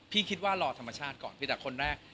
คิดว่ารอธรรมชาติก่อนเพียงแต่คนแรก